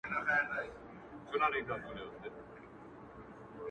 د زاهد به په خلوت کي اور په کور وي.!